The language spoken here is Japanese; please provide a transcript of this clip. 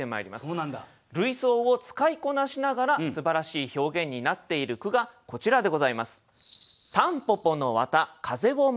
類想を使いこなしながらすばらしい表現になっている句がこちらでございます。